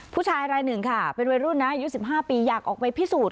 ผู้ชายรายหนึ่งค่ะเป็นวัยรุ่นนะอายุ๑๕ปีอยากออกไปพิสูจน